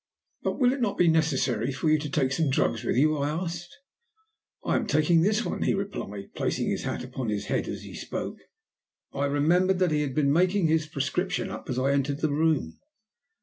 "But will it not be necessary for you to take some drugs with you?" I asked. "I am taking this one," he replied, placing his hat upon his head as he spoke. I remembered that he had been making his prescription up as I entered the room.